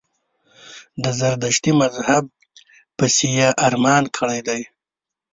د زردشتي مذهب پسي یې ارمان کړی دی.